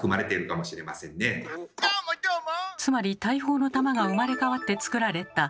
「つまり大砲の弾が生まれ変わってつくられた」。